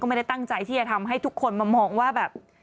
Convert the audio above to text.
ไม่ได้ตั้งใจที่จะทำให้ทุกคนมามองว่าแบบ